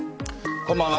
こんばんは。